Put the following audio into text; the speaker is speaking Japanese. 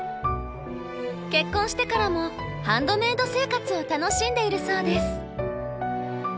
結婚してからもハンドメイド生活を楽しんでいるそうです。